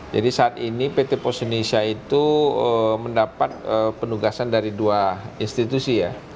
jadi saat ini pt pos indonesia itu mendapat penugasan dari dua institusi ya